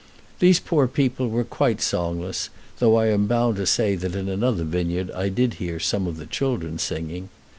These poor people were quite songless, though I am bound to say that in another vineyard I did hear some of the children singing.